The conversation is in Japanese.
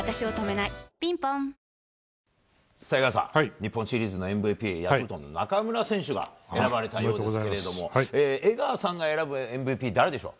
日本シリーズのＭＶＰはヤクルトの中村選手が選ばれたようですけれども江川さんが選ぶＭＶＰは誰でしょう？